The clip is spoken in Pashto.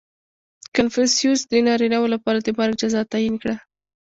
• کنفوسیوس د نارینهوو لپاره د مرګ جزا تعیین کړه.